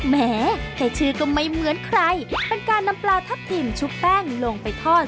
แม้แค่ชื่อก็ไม่เหมือนใครเป็นการนำปลาทับทิมชุบแป้งลงไปทอด